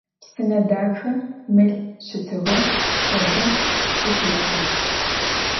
Псынэдахэ мыл щтыгъэ лъэгум къыхэкӏыгъ.